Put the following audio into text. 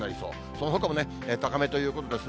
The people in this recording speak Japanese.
そのほかもね、高めということですね。